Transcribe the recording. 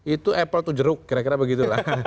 itu apple to jeruk kira kira begitu lah